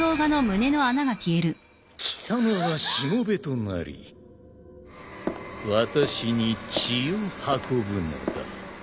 貴様はしもべとなり私に血を運ぶのだ。